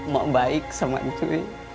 mak baik sama cuy